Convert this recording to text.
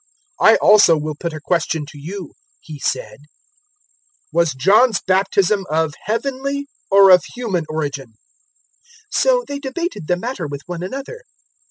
020:003 "I also will put a question to you, "He said; 020:004 "was John's baptism of Heavenly or of human origin?" 020:005 So they debated the matter with one another.